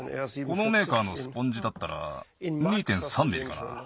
このメーカーのスポンジだったら２．３ミリかな。